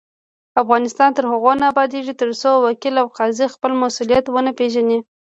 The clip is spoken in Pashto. افغانستان تر هغو نه ابادیږي، ترڅو وکیل او قاضي خپل مسؤلیت ونه پیژني.